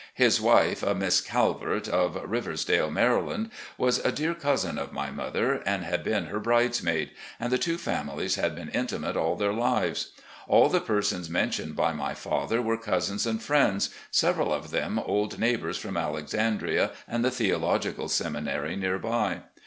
His wife, a Miss Calvert, of "Rivers dale," Maryland, was a near cousin of my mother, had been her bridesmaid, and the two families had been intimate all their lives. All the persons mentioned by my father were cousins and friends, several of them old neighbours from Alexandria and the Theological Semi nary near by.